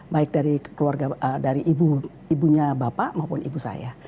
baik dari keluarga dari ibunya bapak maupun ibu saya